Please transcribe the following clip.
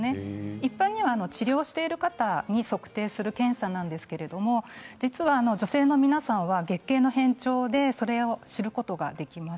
一般には治療している方に測定する検査なんですけど実は女性の皆さんは月経の変調でそれを知ることができます。